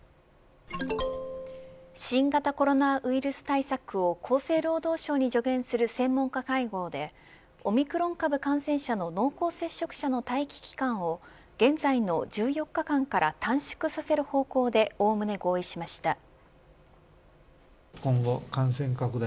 新型コロナウイルス対策を厚生労働省に助言する専門家会合でオミクロン株感染者の濃厚接触者の待機期間を現在の１４日間から短縮させる方向でおおむね合意しました。